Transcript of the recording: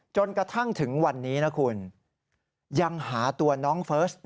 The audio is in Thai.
จนกระทั่งถึงวันนี้นะคุณยังหาตัวน้องเฟิร์ส